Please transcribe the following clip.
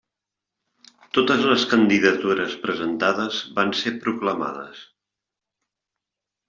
Totes les candidatures presentades van ser proclamades.